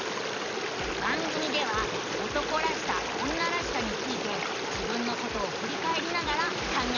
番組では「男らしさ女らしさ」について自分のことをふりかえりながら考えているのさ。